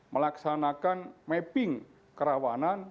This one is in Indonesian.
melaksanakan mapping kerawanan